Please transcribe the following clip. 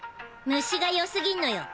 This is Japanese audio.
虫がよすぎんのよ。